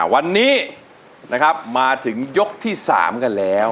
วันนี้นะครับมาถึงยกที่๓กันแล้ว